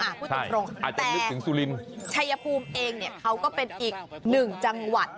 ชัยพูมผู้ถึงตรงแต่ชัยพูมเองเขาก็เป็นอีก๑จังหวัด